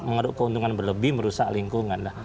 mengeruk keuntungan berlebih merusak lingkungan